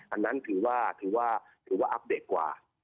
อันนั้นถือว่าอัพเดทกว่า